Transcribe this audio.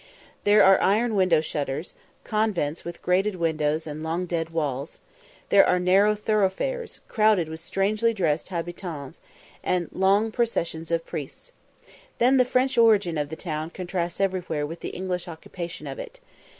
There are iron window shutters, convents with grated windows and long dead walls; there are narrow thoroughfares, crowded with strangely dressed habitans, and long processions of priests. Then the French origin of the town contrasts everywhere with the English occupation of it.